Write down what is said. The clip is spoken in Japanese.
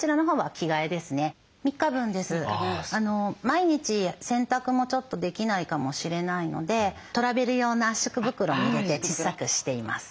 毎日洗濯もちょっとできないかもしれないのでトラベル用の圧縮袋に入れて小さくしています。